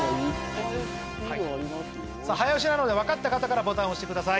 早押しなので分かった方からボタンを押してください。